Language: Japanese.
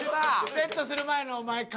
セットする前のお前髪